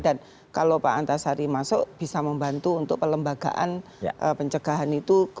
dan kalau pak antasari masuk bisa membantu untuk pelembagaan pencegahan itu